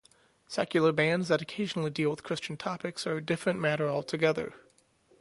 Secular bands that occasionally deal with Christian topics are a different matter altogether.